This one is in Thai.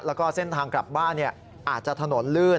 แล้วก็เส้นทางกลับบ้านอาจจะถนนลื่น